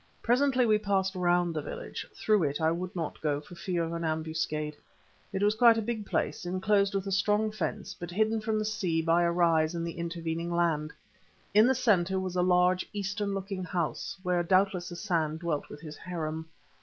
Presently we passed round the village; through it I would not go for fear of an ambuscade. It was quite a big place, enclosed with a strong fence, but hidden from the sea by a rise in the intervening land. In the centre was a large eastern looking house, where doubtless Hassan dwelt with his harem.